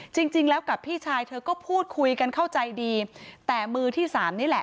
จริงแล้วกับพี่ชายเธอก็พูดคุยกันเข้าใจดีแต่มือที่สามนี่แหละ